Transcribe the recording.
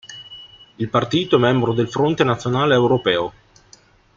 Il partito è membro del Fronte Nazionale Europeo.